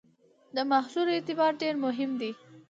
د محصول اعتبار ډېر مهم دی.